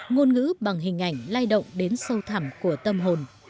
ngôn ngữ bằng hình ảnh lai động đến sâu thẳm của tâm hồn